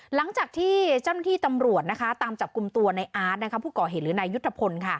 หลังจากที่เจ้าหน้าที่ตำรวจตามจับกลุ่มตัวในอาร์ตผู้ก่อเหตุหรือนายยุทธพล